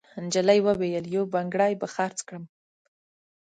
نجلۍ وویل: «یو بنګړی به خرڅ کړم.»